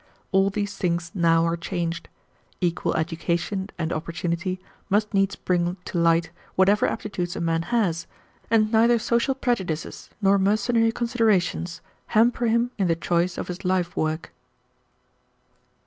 All these things now are changed. Equal education and opportunity must needs bring to light whatever aptitudes a man has, and neither social prejudices nor mercenary considerations hamper him in the choice of his life work.